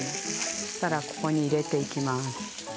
そしたらここに入れていきます。